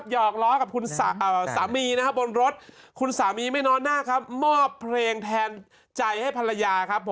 ยอกร้อยกับสามีบนรถคุณสามีไม่นอนหน้ามอบเพลงแทนใจให้ภรรยา